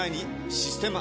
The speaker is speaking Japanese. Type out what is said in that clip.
「システマ」